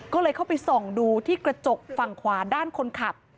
ก็เลยเข้าไปส่องดูที่กระจกฝั่งขวาด้านคนขับ